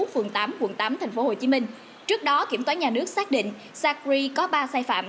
phường tám quận tám tp hcm trước đó kiểm toán nhà nước xác định sacri có ba sai phạm